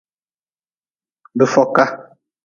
Bifoka.